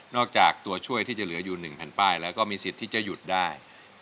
จากตัวช่วยที่จะเหลืออยู่๑แผ่นป้ายแล้วก็มีสิทธิ์ที่จะหยุดได้